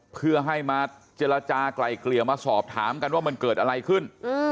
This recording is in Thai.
เพื่อให้มาเจรจากลายเกลี่ยมาสอบถามกันว่ามันเกิดอะไรขึ้น